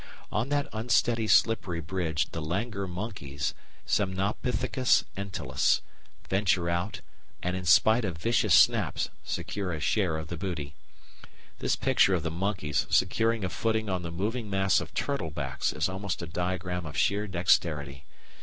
On that unsteady slippery bridge the Langur monkeys (Semnopithecus entellus) venture out and in spite of vicious snaps secure a share of the booty. This picture of the monkeys securing a footing on the moving mass of turtle backs is almost a diagram of sheer dexterity.